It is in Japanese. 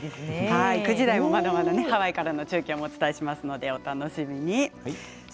９時台も、まだまだハワイからの中継をお伝えしますのでお楽しみに。